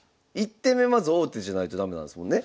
１手目まず王手じゃないと駄目なんですもんね。